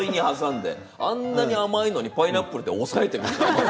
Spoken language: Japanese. あんなに甘いのにパイナップルで抑えている。